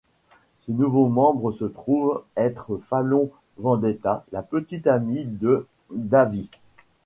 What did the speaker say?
Ce nouveau membre se trouve être Fallon Vendetta, la petite amie de Dahvie.